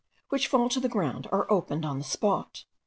which fall to the ground, are opened on the spot.